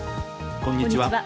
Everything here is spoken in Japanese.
こんにちは。